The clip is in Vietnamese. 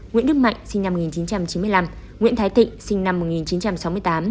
nguyễn đức mạnh sinh năm một nghìn chín trăm chín mươi năm nguyễn thái tịnh sinh năm một nghìn chín trăm sáu mươi tám